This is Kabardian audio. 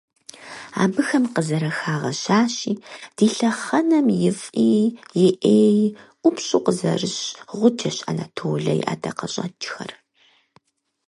Абыхэм къызэрыхагъэщащи, «ди лъэхъэнэм и фӀи и Ӏеи ӀупщӀу къызэрыщ гъуджэщ Анатолэ и ӀэдакъэщӀэкӀхэр».